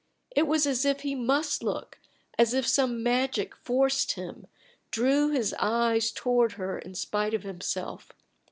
It was as if he must look as if some magic forced him, drew his eyes toward her in spite of himself.